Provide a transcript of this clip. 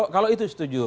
kalau itu setuju